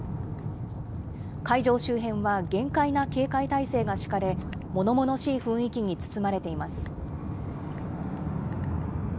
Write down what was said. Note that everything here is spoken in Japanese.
会場周辺は厳戒な警戒態勢が敷かれ、ものものしい雰囲気に包まれています。